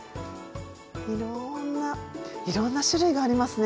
いろんないろんな種類がありますね。